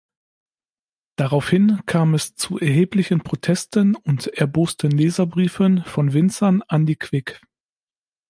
Daraufhin kam es zu erheblichen Protesten und erbosten Leserbriefen von Winzern an die "Quick".